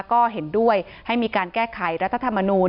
ก็เห็นด้วยให้มีการแก้ไขรัฐธรรมนูล